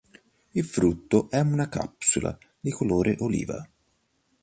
Il frutto è una capsula di colore oliva.